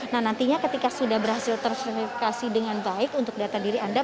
nah nantinya ketika sudah berhasil tersentifikasi dengan baik untuk data diri anda